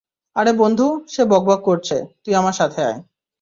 আরে বন্ধু, সে বকবক করছে, তুই আমার সাথে আয়।